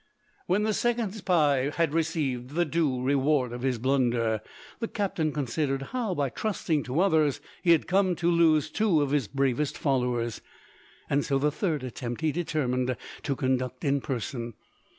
When the second spy had received the due reward of his blunder, the captain considered how by trusting to others he had come to lose two of his bravest followers, so the third attempt he determined to conduct in person.